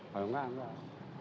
kalau enggak enggak